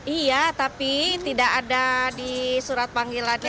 iya tapi tidak ada di surat panggilannya